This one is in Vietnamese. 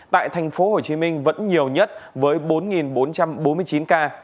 tại tp hcm vẫn nhiều nhất với bốn bốn trăm bốn mươi chín ca